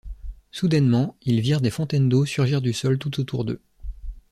Soudainement, ils virent des fontaines d'eau surgir du sol tout autour d'eux.